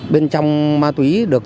bên trong ma túy được